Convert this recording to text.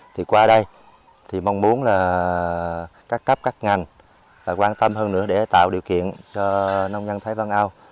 thì qua đây thì mong muốn là các cấp các ngành quan tâm hơn nữa để tạo điều kiện cho nông dân thái văn âu